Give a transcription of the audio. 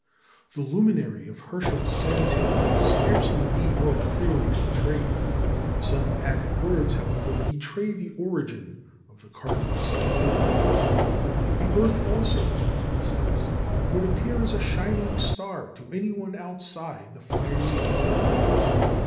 The luminary of Herschel's fancy could scarcely be more clearly portrayed; some added words, however, betray the origin of the Cardinal's idea. "The earth also," he says, "would appear as a shining star to any one outside the fiery element."